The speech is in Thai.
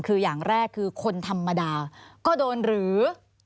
คืออย่างแรกคือคนธรรมดาก็โดนหรือ